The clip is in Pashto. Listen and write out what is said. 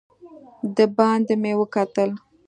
دباندې مې وکتل.